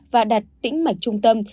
và đặt tĩnh mạch trung tâm